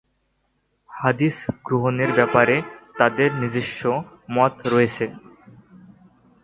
হাদিস গ্রহণের ব্যাপারে তাদের নিজস্ব মত রয়েছে।